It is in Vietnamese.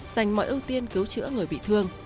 dành mọi ưu tiên cứu chữa người bị thương